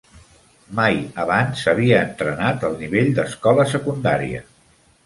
Mai abans havia entrenat al nivell d'escola secundària.